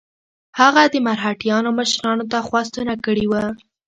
هغه د مرهټیانو مشرانو ته خواستونه کړي وه.